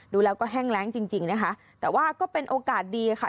ดูแล้วก็แห้งแรงจริงจริงนะคะแต่ว่าก็เป็นโอกาสดีค่ะ